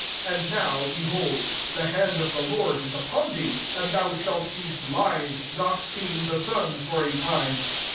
II And now, be liold, the hand of the Lord «* upon thee ; and thou shidt be blind, not seeing the sun, for a time."